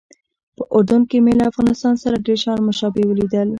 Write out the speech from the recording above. په اردن کې مې له افغانستان سره ډېر شیان مشابه ولیدل.